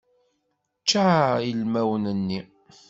Ččar ilmawen-nni.